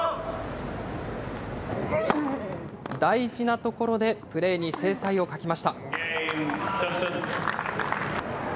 大事なところでプレーに精彩を欠きました。